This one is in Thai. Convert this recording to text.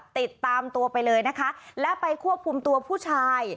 ติดตามตัวไปเลยนะคะและไปควบคุมตัวผู้ชาย